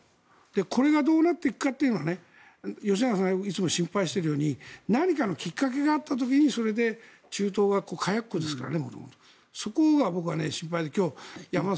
これがどうなっていくかというのは吉永さんがいつも心配しているように何かのきっかけがあった時にそれで中東が火薬庫ですからね。